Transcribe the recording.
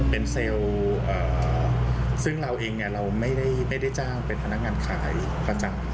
เป็นเซลล์ซึ่งเราเองเราไม่ได้จ้างเป็นพนักงานขายประจำ